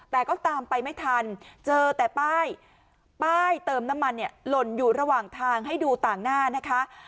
แต่ก็ตามไปไม่ทันเจอแต่ป้ายป้ายเติมน้ำมันเนี่ยหล่นอยู่ระหว่างทางให้ดูต่างหน้านะคะ